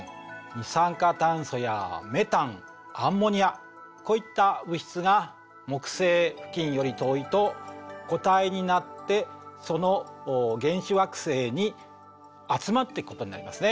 二酸化炭素やメタンアンモニアこういった物質が木星付近より遠いと固体になってその原始惑星に集まっていくことになりますね。